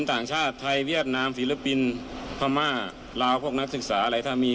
ต่างชาติไทยเวียดนามศิลปินพม่าลาวพวกนักศึกษาอะไรถ้ามี